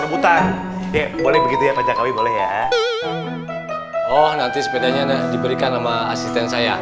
rebutan ya boleh begitu ya pak jokowi boleh ya oh nanti sepedanya diberikan sama asisten saya